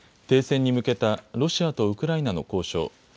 停戦に向けたロシアとウクライナの交渉。